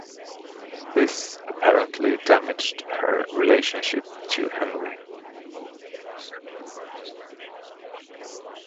This apparently damaged her relationship to Henry.